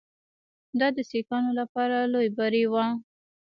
دا د سیکهانو لپاره لوی بری وو.